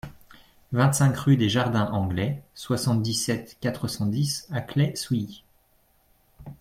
vingt-cinq rue des Jardins Anglais, soixante-dix-sept, quatre cent dix à Claye-Souilly